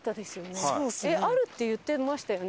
あるって言ってましたよね？